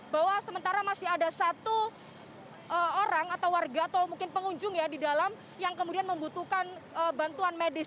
bahwa sementara masih ada satu orang atau warga atau mungkin pengunjung ya di dalam yang kemudian membutuhkan bantuan medis